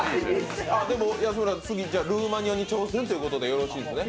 でも安村、次はルーマニアに挑戦ということでいいですね。